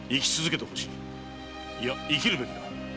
いや生きるべきだ。